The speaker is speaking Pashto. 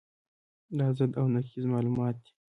دا ضد او نقیض معلومات دي.